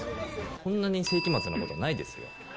こんなに世紀末なことはないですよ。